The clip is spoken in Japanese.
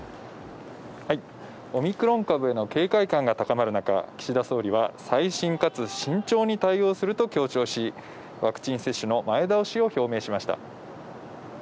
オミクロン株への警戒感が高まる中、岸田総理は細心かつ慎重に対応すると強調し、ワクチン接種の前倒しを表明しました。